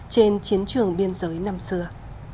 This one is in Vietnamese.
trên chiến trường biên giới năm xưa